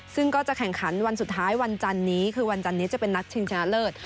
ซึ่งก็จะแข่งขันวันสุดท้ายวันจันนี้คือวันจันนี้จะเป็นนัดชิงชนะเลิศ